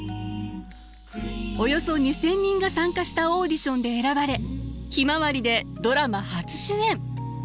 およそ２，０００人が参加したオーディションで選ばれ「ひまわり」でドラマ初主演。